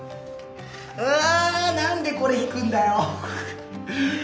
うわ何でこれ引くんだよ！